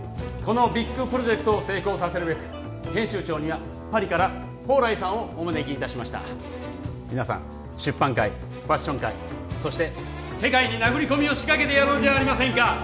このビッグプロジェクトを成功させるべく編集長にはパリから宝来さんをお招きいたしました皆さん出版界ファッション界そして世界に殴り込みを仕掛けてやろうじゃありませんか